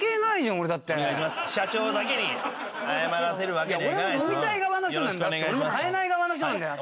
俺も買えない側の人なんだよ。